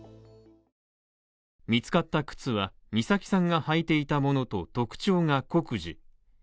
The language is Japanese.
見つかった靴は、美咲さんが履いていたものと特徴が酷似。